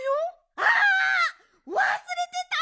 あわすれてた！